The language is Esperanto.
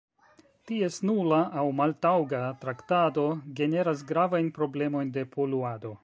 Ties nula aŭ maltaŭga traktado generas gravajn problemojn de poluado.